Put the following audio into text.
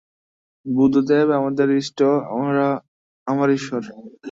বুদ্ধদেব আমার ইষ্ট, আমার ঈশ্বর।